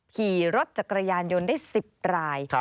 ขี่รถจักรยานยนต์ได้๑๐ราย